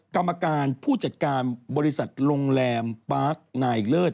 กรรมการผู้จัดการบริษัทโรงแรมปาร์คนายเลิศ